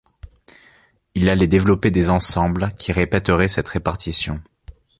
Il allait développer des ensembles qui répèteraient cette répartition.